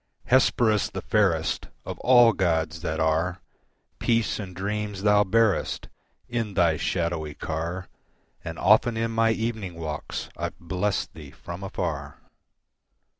Hesperus the fairest Of all gods that are, Peace and dreams thou bearest In thy shadowy car, And often in my evening walks I've blessed thee from afar.